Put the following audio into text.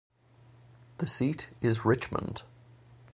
The seat is Richmond.